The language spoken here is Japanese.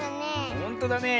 ほんとだねえ。